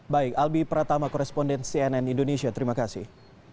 baik albi pratama koresponden cnn indonesia terima kasih